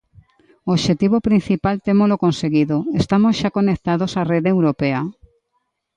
O obxectivo principal témolo conseguido, estamos xa conectados á rede europea.